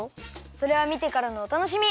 それはみてからのおたのしみ！